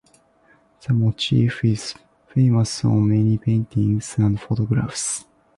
This motif is famous on many paintings and photographs.